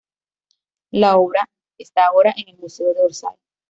La obra está ahora en el museo de Orsay.